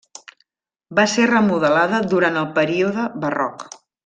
Va ser remodelada durant el període barroc.